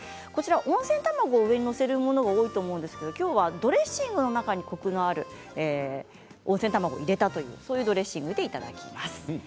温泉卵を上に載せるのが多いと思うんですがきょうはドレッシングの中にコクのある温泉卵を入れたというドレッシングでいただきます。